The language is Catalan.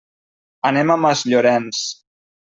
Anem a Masllorenç.